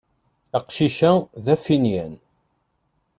Aqcic-a d afinyan.